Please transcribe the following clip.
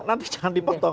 nanti jangan dipotong